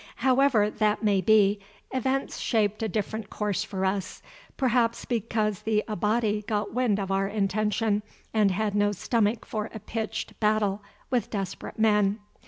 However that may be, events shaped a different course for us, perhaps because the Abati got wind of our intention and had no stomach for a pitched battle with desperate men.